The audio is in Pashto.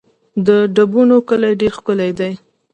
د ډبونو کلی ډېر ښکلی دی